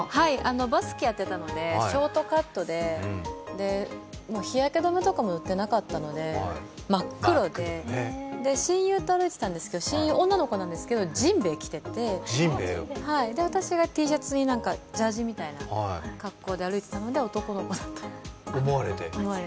バスケやってたので、ショートカットで、日焼け止めとかも塗ってなかったので真っ黒で親友と歩いてたんですけど、親友、女の子なんですけど、じんべい着てて、私がＴシャツにジャージみたいな格好で歩いていたので、男の子だと思われて。